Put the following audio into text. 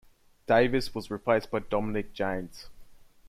Davis was replaced by Dominic Janes.